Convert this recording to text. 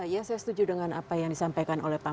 ya saya setuju dengan apa yang disampaikan